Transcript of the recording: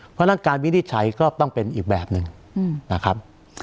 เพราะฉะนั้นการวินิจฉัยก็ต้องเป็นอีกแบบหนึ่งนะครับ